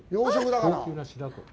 高級な白子。